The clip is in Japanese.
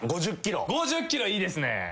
５０ｋｍいいですね。